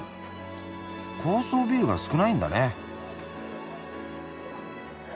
高層ビルが少ないんだね。